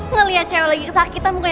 ngeliat cewek lagi kesakitan